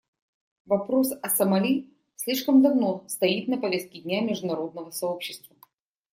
Вопрос о Сомали слишком давно стоит на повестке дня международного сообщества.